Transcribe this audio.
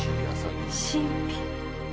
神秘。